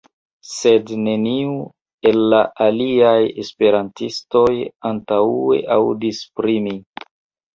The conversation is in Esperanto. Sed, neniu el la aliaj Esperantistoj antaŭe aŭdis pri mi.